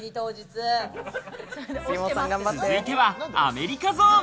続いてはアメリカゾーン。